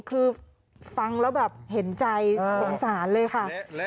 คือฟังแล้วแบบเห็นใจสงสารเลยค่ะ